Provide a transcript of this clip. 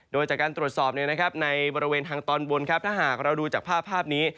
โดยจากการตรวจสอบในบริเวณทางตอนบนถ้าหากเราดูจากภาพนี้